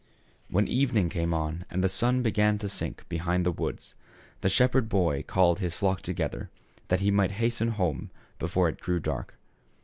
When evening came on and the sun began to sink behind the woods the shepherd boy called his flock together, that he might hasten home before it grew dark.